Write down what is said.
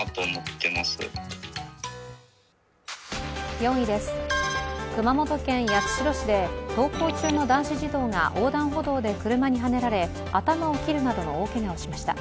４位です、熊本県八代市で登校中の男子児童が横断歩道で車にはねられ、頭を切るなどの大けがをしました。